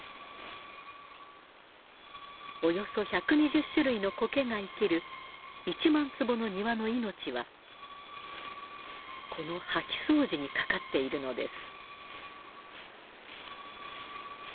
およそ１２０種類の苔が生きる１万坪の庭の命はこの掃き掃除にかかっているのです。